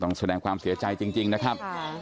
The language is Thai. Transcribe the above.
แสดงความเสียใจจริงนะครับ